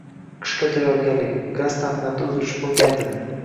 Qishga tayyorgarlik: gaz ta’minotida uzilish bo‘lmayding